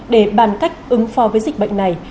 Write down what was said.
để bàn cách ứng pho với dịch bệnh này